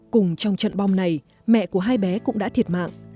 cùng trong trận bom này mẹ của hai bé cũng đã thiệt mạng